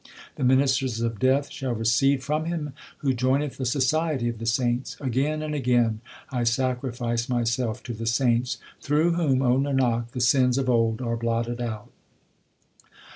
The ministers of Death shall recede from him who joineth the society of the saints ; Again and again I sacrifice myself to the saints, Through whom, O Nanak, the sins of old are blotted out.